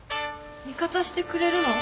味方してくれるの？